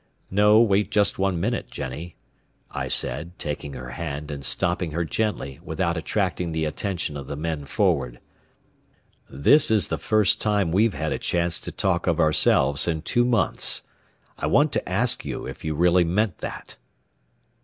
"No, wait just one minute, Jennie," I said, taking her hand and stopping her gently without attracting the attention of the men forward. "This is the first time we've had a chance to talk of ourselves in two months. I want to ask you if you really meant that?"